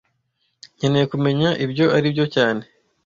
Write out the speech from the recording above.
Nkeneye kumenya ibyo aribyo cyane